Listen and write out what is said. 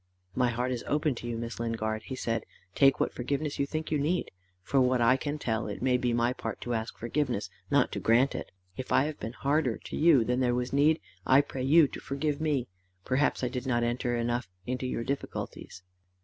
"My heart is open to you, Miss Lingard," he said: "take what forgiveness you think you need. For what I can tell, it may be my part to ask forgiveness, not to grant it. If I have been harder to you than there was need, I pray you to forgive me. Perhaps I did not enter enough into your difficulties."